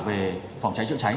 về phòng cháy chữa cháy